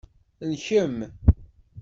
Lkem.